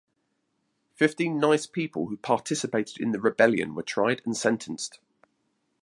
Fifteen Nice people who participated in the rebellion were tried and sentenced.